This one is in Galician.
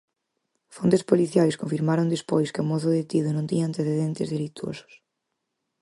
Fontes policiais confirmaron despois que o mozo detido non tiña antecedentes delituosos.